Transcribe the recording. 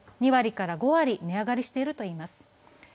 ２割から５割、値上がりしているといいます。